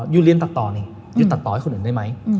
ยูเรียนตัดต่อนี่หยุดตัดต่อให้คนอื่นได้ไหม